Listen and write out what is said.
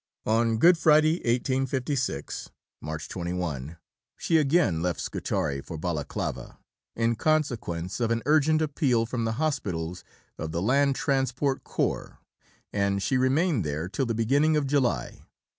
On Good Friday, 1856 (March 21), she again left Scutari for Balaclava, in consequence of an urgent appeal from the hospitals of the Land Transport Corps, and she remained there till the beginning of July.